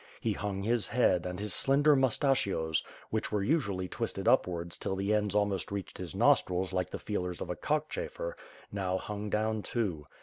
He hung his head, and his slender moustachios, which were usu ally twisted upwards till the ends almost reached his nostrils like the feelers of a cockchafer, now hung down too.